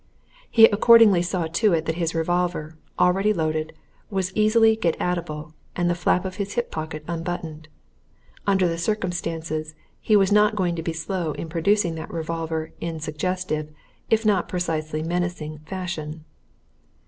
He accordingly saw to it that his revolver, already loaded, was easily get at able, and the flap of his hip pocket unbuttoned: under the circumstances, he was not going to be slow in producing that revolver in suggestive, if not precisely menacing fashion.